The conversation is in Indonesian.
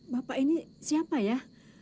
bapak ini siapa ya